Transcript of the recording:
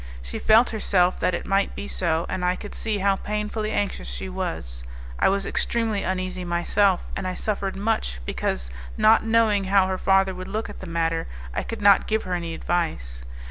She felt herself that it might be so, and I could see how painfully anxious she was. I was extremely uneasy myself, and I suffered much because, not knowing how her father would look at the matter, I could not give her any advice.